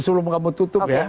sebelum kamu tutup ya